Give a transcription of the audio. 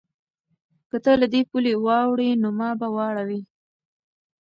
که ته له دې پولې واوړې نو ما به واورې؟